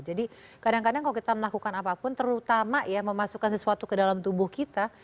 jadi kadang kadang kalau kita melakukan apapun terutama ya memasukkan sesuatu ke dalam tubuh kita